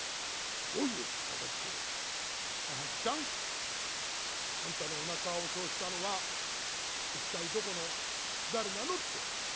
「どういう聞き方って『お花ちゃんあんたのおなかをそうしたのは一体どこの誰なの？』って」。